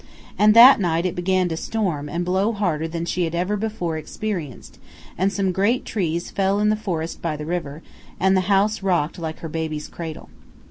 And that night it began to storm and blow harder than she had ever before experienced, and some great trees fell in the forest by the river, and the house rocked like her baby's cradle.